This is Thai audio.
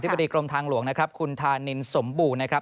บดีกรมทางหลวงนะครับคุณธานินสมบูรณ์นะครับ